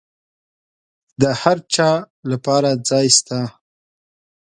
د هرچا لپاره ځای سته.